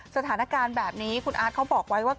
สถานการณ์แบบนี้คุณอาร์ตเขาบอกไว้ว่า